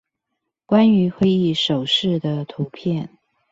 關於會議手勢的圖片